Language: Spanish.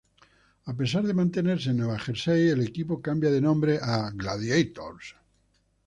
A pesar de mantenerse en New Jersey el equipo cambia de nombre a Gladiators,